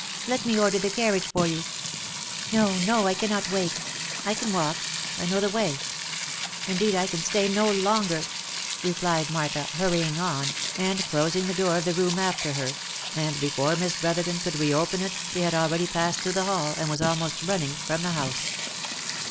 " Let me order the carriage for you." " No, no, I cannot wait. I can walk. I know the way. Indeed I can stay no longer !" replied Martha, hurrying on, and closing the door of the room after her, and before Miss Brotherton could reopen it, she had already passed through the hall, and was almost running from the house.